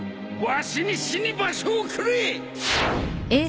わしに死に場所をくれ！